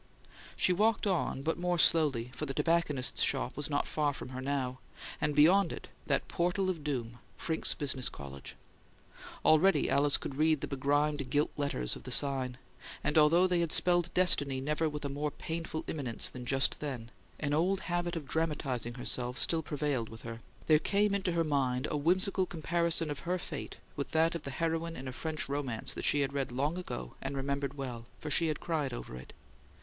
She walked on, but more slowly, for the tobacconist's shop was not far from her now and, beyond it, that portal of doom, Frincke's Business College. Already Alice could read the begrimed gilt letters of the sign; and although they had spelled destiny never with a more painful imminence than just then, an old habit of dramatizing herself still prevailed with her. There came into her mind a whimsical comparison of her fate with that of the heroine in a French romance she had read long ago and remembered well, for she had cried over it.